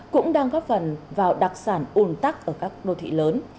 cũng đang góp phần vào đặc sản un tắc ở các đô thị lớn